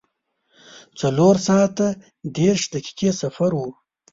څلور ساعته دېرش دقیقې سفر و.